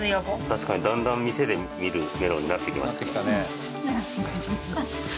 確かにだんだん店で見るメロンになってきました。